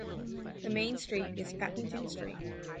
The main street is Pakington Street.